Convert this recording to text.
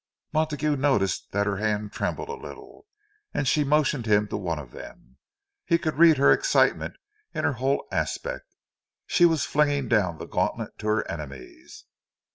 Montague noticed that her hand trembled a little, as she motioned him to one of them; he could read her excitement in her whole aspect. She was flinging down the gauntlet to her enemies!